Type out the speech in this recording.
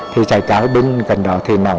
thì chạy cáo bên gần đó thì nặng